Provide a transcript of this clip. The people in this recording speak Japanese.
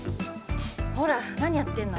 ほらなにやってんの？